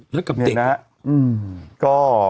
แล้วกับเด็ก